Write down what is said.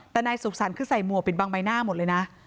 แต่นายสุขสรรค์คือใส่หมวกปิดบังใบหน้าหมดเลยนะ